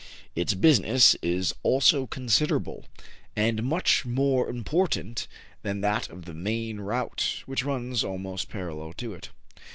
Its business is also considerable, and much more important than that of the main route, which runs almost parallel to it.